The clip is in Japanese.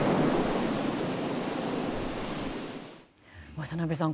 渡辺さん